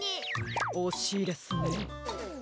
おしいですね。